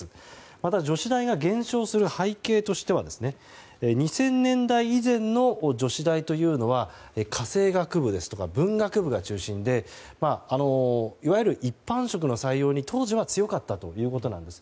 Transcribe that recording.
また女子大が減少する背景としては２０００年代以前の女子大というのは家政学部ですとか文学部が中心でいわゆる一般職の採用に、当時は強かったということなんです。